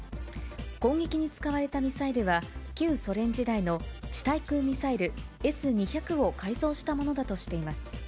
攻撃に使われたミサイルは、旧ソ連時代の地対空ミサイルＳー２００を改造したものだとしています。